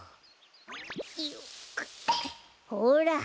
ほら。